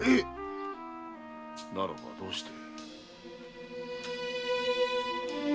ならばどうして。